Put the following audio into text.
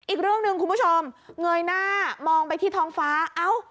อีกเรื่องหนึ่งคุณผู้ชมเงยหน้ามองไปที่ท้องฟ้าเอ้า